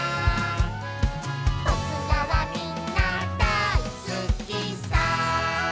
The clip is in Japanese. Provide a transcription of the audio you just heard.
「ぼくらはみんなだいすきさ」